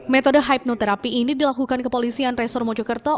metode hipnoterapi ini dilakukan kepolisian resor mojokerto